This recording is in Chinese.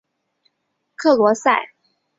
克罗塞。